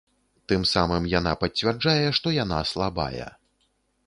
Тым самым яна пацвярджае, што яна слабая.